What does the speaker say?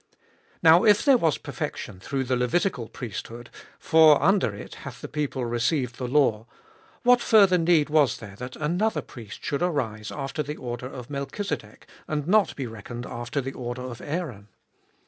Now if there was perfection through the Levitical priesthood (for under it hath the people received the law), what further need was there that another priest should arise after the order of Melchizedek, and not be reckoned after the order of Aaron